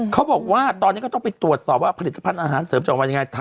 เขาบอกว่าตอนนี้ก็ต้องไปตรวจสอบว่าผลิตภัณฑ์อาหารเสริมจากวันยังไง